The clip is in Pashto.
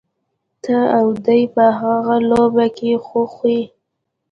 ته او دی په هغه لوبه کي خو خوئ.